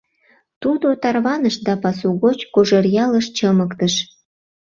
Тудо тарваныш да пасу гоч Кожеръялыш чымыктыш.